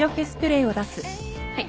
はい。